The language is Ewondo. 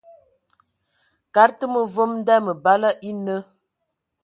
Kad tə ma vom nda məbala e nə.